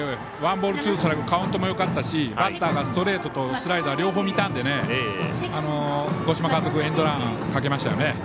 ワンボールツーストライクカウントもよかったしバッターがストレートとスライダー両方見たので五島監督エンドランかけましたよね。